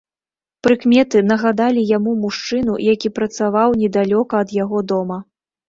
Прыкметы нагадалі яму мужчыну, які працаваў недалёка ад яго дома.